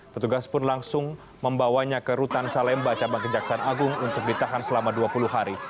petugas pun langsung membawanya ke rutan salemba cabang kejaksaan agung untuk ditahan selama dua puluh hari